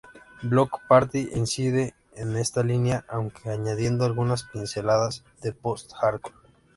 Bloc Party incide en esta línea, aunque añadiendo algunas pinceladas de post-hardcore.